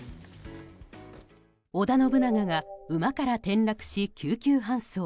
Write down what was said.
織田信長が馬から転落し救急搬送。